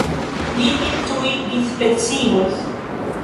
Li min tuj dispecigos!